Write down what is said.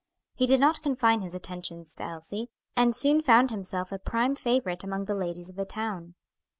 He did not confine his attentions to Elsie, and soon found himself a prime favorite among the ladies of the town.